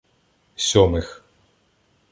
Сьомих